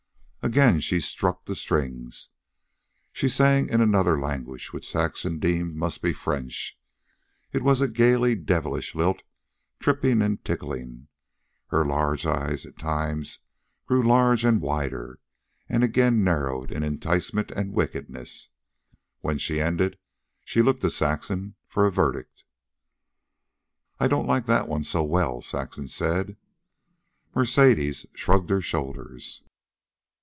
Again she struck the strings. She sang in another language, which Saxon deemed must be French. It was a gayly devilish lilt, tripping and tickling. Her large eyes at times grew larger and wilder, and again narrowed in enticement and wickedness. When she ended, she looked to Saxon for a verdict. "I don't like that one so well," Saxon said. Mercedes shrugged her shoulders.